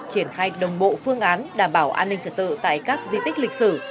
triển khai đồng bộ phương án đảm bảo an ninh trật tự tại các di tích lịch sử